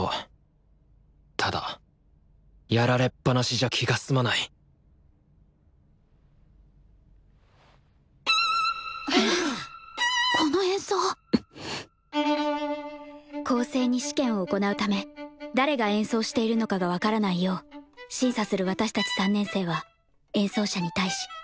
ただやられっぱなしじゃ気が済まないこの演奏公正に試験を行うため誰が演奏しているのかが分からないよう審査する私たち３年生は演奏者に対し背を向けて聴いている。